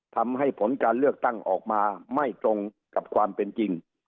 ผลการเลือกตั้งออกมาไม่ตรงกับความเป็นจริง